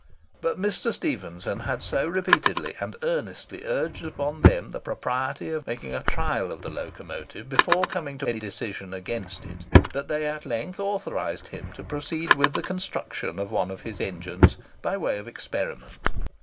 But Mr. Stephenson had so repeatedly and earnestly urged upon them the propriety of making a trial of the locomotive before coming to any decision against it, that they at length authorised him to proceed with the construction of one of his engines by way of experiment.